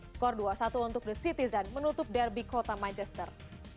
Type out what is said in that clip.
skor dua satu untuk the citizen menutup derby kota manchester